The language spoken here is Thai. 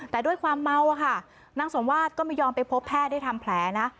แต่ด้วยความเมาอะค่ะนางสมวาสก็ไม่ยอมไปพบแพทย์ได้ทำแผลนะ